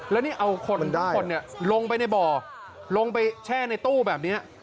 แล้วนี่เอาคนทุกคนลงไปในบ่อลงไปแช่ในตู้แบบนี้